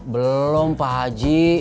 belum pak haji